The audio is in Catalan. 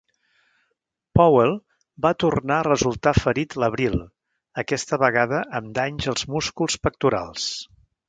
Powell va tornar a resultar ferit l'abril, aquesta vegada amb danys als músculs pectorals.